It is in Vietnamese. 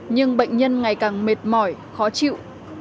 nhưng bệnh nhân ngày càng mệt mỏi khó chịu